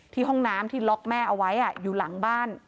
ห้องน้ำที่ล็อกแม่เอาไว้อยู่หลังบ้าน